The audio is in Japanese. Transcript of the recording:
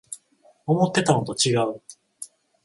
思ってたのとちがう